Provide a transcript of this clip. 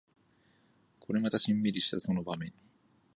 これまたシンミリしたその場面に